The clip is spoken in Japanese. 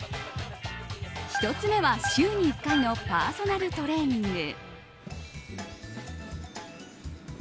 １つ目は週に１回のパーソナルトレーニング。